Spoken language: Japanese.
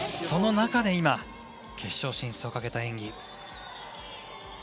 その中での決勝進出をかけた演技。